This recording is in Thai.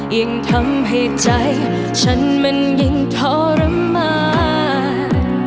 ยิ่งทำให้ใจฉันมันยิ่งทรมาน